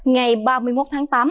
ngày ba mươi một tháng tám